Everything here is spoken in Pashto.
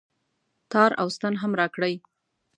تار او ستن هم راکړئ